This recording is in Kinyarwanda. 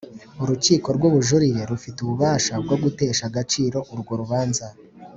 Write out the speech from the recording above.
Urukiko rw Ubujurire rufite ububasha bwogutesha agaciro urwo rubanza